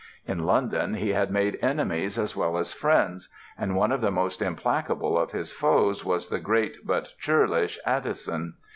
In London he had made enemies as well as friends and one of the most implacable of his foes was the great but churlish Addison.